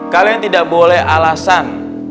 kalian tidak boleh alasan